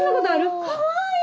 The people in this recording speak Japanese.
かわいい！